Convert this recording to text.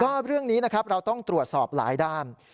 ก็เรื่องนี้นะครับเราต้องตรวจสอบหลายด้าน